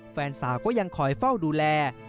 แฟนสาวก็ยังคอยเฝ้าดูแล